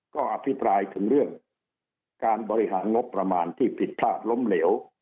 ก็อภิปรายถึงเรื่องการบริหารงบประมาณที่ผิดพลาดล้มเหลว